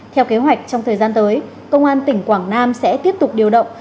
theo kế hoạch trong thời gian tới công an tỉnh quảng nam sẽ tiếp tục điều động